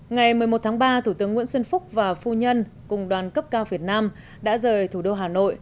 ngày một mươi một tháng ba thủ tướng nguyễn xuân phúc và phu nhân cùng đoàn cấp cao việt nam đã rời thủ đô hà nội